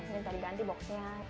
minta diganti boxnya